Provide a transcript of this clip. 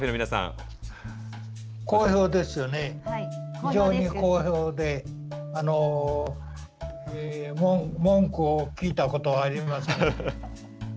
非常に好評で文句を聞いたことはありません。